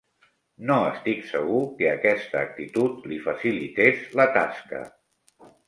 No estic segur que aquesta actitud li facilités la tasca.